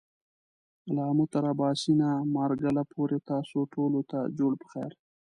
له آمو تر آباسينه ، مارګله پورې تاسو ټولو ته جوړ پخير !